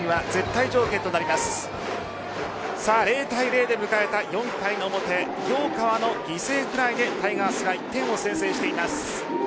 ０対０で迎えた４回の表陽川の犠牲フライでタイガースが１点を先制しています。